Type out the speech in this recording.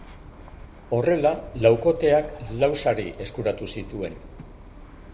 Horrela, laukoteak lau sari eskuratu zituen.